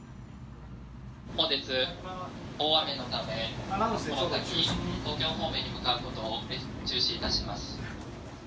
本日、大雨のため、この先、東京方面に向かうことを中止いたします。